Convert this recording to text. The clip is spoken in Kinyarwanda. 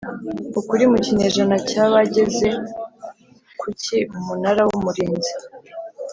Ukuri mu kinyejana cya bageze ku ki umunara w umurinzi